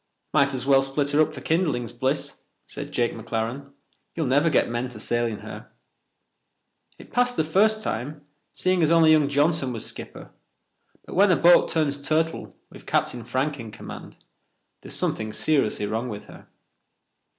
"Might as well split her up for kindlings, Bliss," said Jake McLaren. "You'll never get men to sail in her. It passed the first time, seeing as only young Johnson was skipper, but when a boat turns turtle with Captain Frank in command, there's something serious wrong with her."